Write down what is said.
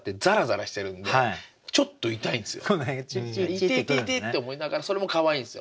イテテテって思いながらそれもかわいいんですよ。